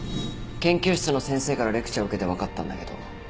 研究室の先生からレクチャー受けて分かったんだけど。